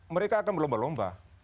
mereka akan berlomba lomba